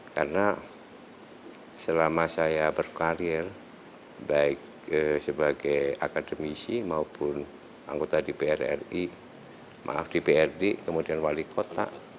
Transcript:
karena selama saya berkarir baik sebagai akademisi maupun anggota dpr ri maaf dprd kemudian wakil gubernur